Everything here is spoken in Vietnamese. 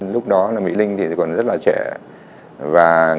lúc đó mỹ linh còn rất là trẻ và cô đã có một nội lực tuyệt vời